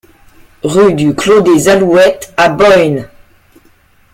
Rue du Clos des Alouettes à Boynes